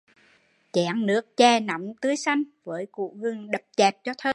Chén nước chè nóng tươi xanh với củ gừng đập chẹp cho thơm